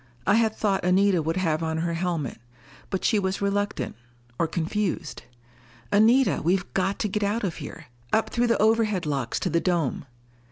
I had thought Anita would have on her helmet. But she was reluctant, or confused. "Anita, we've got to get out of here! Up through the overhead locks to the dome."